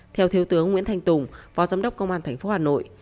theo thiếu tướng nguyễn thanh tùng phó giám đốc công an tp hà nội